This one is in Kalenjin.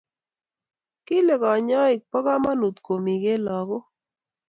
Kile kanyaik ba kamanut kumik en lakok